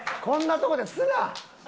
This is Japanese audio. こんなとこですな！